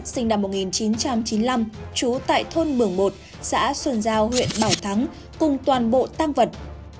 sinh năm một nghìn chín trăm chín mươi năm trú tại thôn mường một xã xuân giao huyện bảo thắng cùng toàn bộ tăng vật